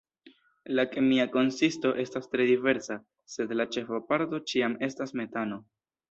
La kemia konsisto estas tre diversa, sed la ĉefa parto ĉiam estas metano.